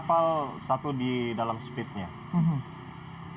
lalu bisa anda ceritakan bagaimana anda akhirnya bisa diselamatkan oleh polisi di rajamakala